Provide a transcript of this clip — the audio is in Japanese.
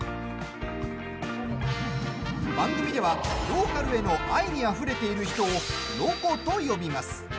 番組ではローカルへの愛にあふれている人をロコと呼びます。